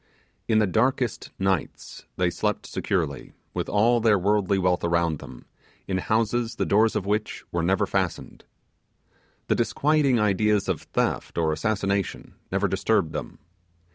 In the darkest nights they slept securely, with all their worldly wealth around them, in houses the doors of which were never fastened. The disquieting ideas of theft or assassination never disturbed them.